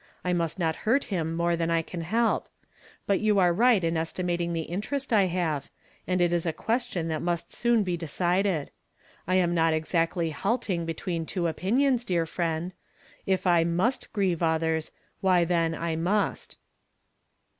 I nnist not luirt him more than I can help ; hut you are right in estimating the interest I have, and it is a ques tion that nnist soon he decided. I am not exactly lialting between two opinions, dear friend. If I must grieve others, why then I nnist."